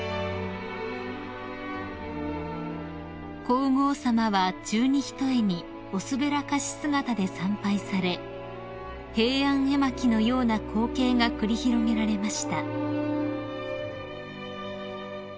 ［皇后さまは十二単におすべらかし姿で参拝され平安絵巻のような光景が繰り広げられました］